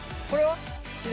これは。